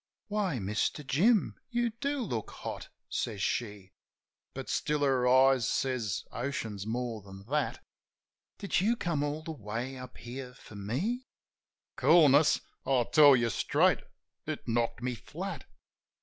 "Why, Mister Jim? You do look hot," says she. (But still her eyes says oceans more than that). "Did you come all the way up here for me?" Coolness ? I tell you straight, it knocked me flat.